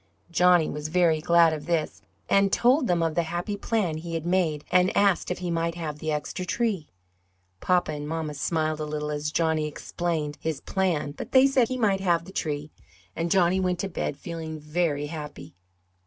Johnny was very glad of this, and told them of the happy plan he had made and asked if he might have the extra tree. Papa and mamma smiled a little as Johnny explained his plan but they said he might have the tree, and Johnny went to bed feeling very happy.